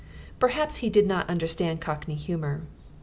Perhaps he did not understand cockney humour....